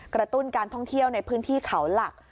กระตุ้นการท่องเที่ยวในพื้นที่เขาหลัก